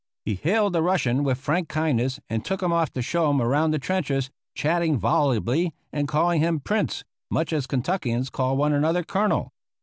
He hailed the Russian with frank kindness and took him off to show him around the trenches, chatting volubly, and calling him "Prince," much as Kentuckians call one another "Colonel."